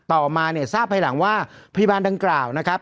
ต่อมาเนี่ยทราบภายหลังว่าพยาบาลดังกล่าวนะครับ